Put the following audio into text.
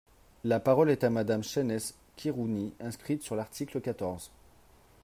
La parole est à Madame Chaynesse Khirouni, inscrite sur l’article quatorze.